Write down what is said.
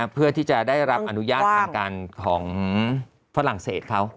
เพื่อที่จะได้รับอนุญาตทางการของฝรั่งเศสเขา